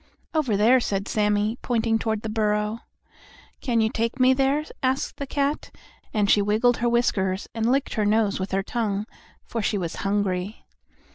"Over there," said Sammie, pointing toward the burrow. "Can you take me there?" asked the cat, and she wiggled her whiskers and licked her nose with her tongue, for she was hungry.